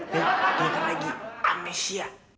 ya ternyata lagi amnesia